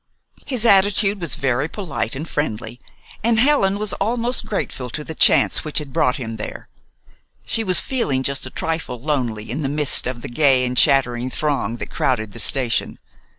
His attitude was very polite and friendly, and Helen was almost grateful to the chance which had brought him there. She was feeling just a trifle lonely in the midst of the gay and chattering throng that crowded the station.